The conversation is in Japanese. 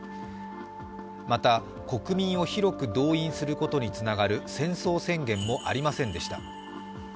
また、国民を広く動員することにつながる戦争宣言もありませんでした。